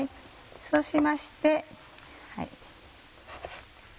そうしまして。